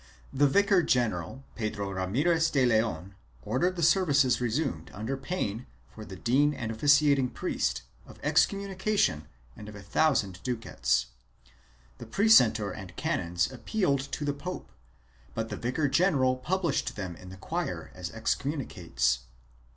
The vicar general, Pedro Ramirez de Leon, ordered the services resumed, under pain, for the dean and officiating priest, of excommunication and of a thousand ducats; the precentor and canons appealed to the pope, but the vicar general published them in the choir as excommunicates.